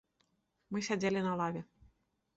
Мы сядзелі на лаве.